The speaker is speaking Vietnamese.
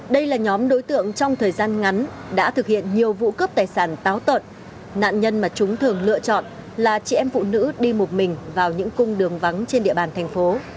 đây là nhóm đối tượng trong thời gian ngắn đã thực hiện nhiều vụ cướp tài sản táo tợn nạn nhân mà chúng thường lựa chọn là chị em phụ nữ đi một mình vào những cung đường vắng trên địa bàn thành phố